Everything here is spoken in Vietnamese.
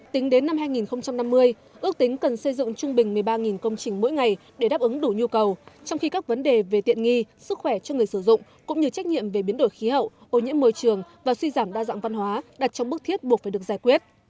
tính đến năm hai nghìn năm mươi ước tính cần xây dựng trung bình một mươi ba công trình mỗi ngày để đáp ứng đủ nhu cầu trong khi các vấn đề về tiện nghi sức khỏe cho người sử dụng cũng như trách nhiệm về biến đổi khí hậu ô nhiễm môi trường và suy giảm đa dạng văn hóa đặt trong bước thiết buộc phải được giải quyết